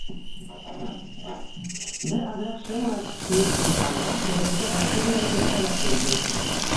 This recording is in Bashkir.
Бер аҙыраҡ шым ғына туйынып алғас, хужабикә ғәҙәти генә итеп хәбәр теҙҙе: